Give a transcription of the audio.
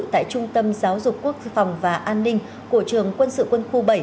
tại trung tâm giáo dục quốc phòng và an ninh của trường quân sự quân khu bảy